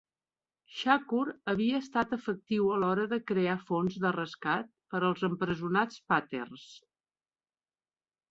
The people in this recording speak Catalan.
Shakur havia estat efectiu a l'hora de crear fons de rescat per als empresonats Panthers.